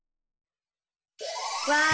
わあ！